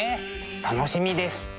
楽しみです。